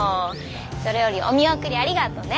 それよりお見送りありがとね。